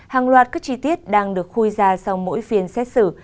hàng loạt các chi tiết đang được khuy ra sau mỗi phiên xét xử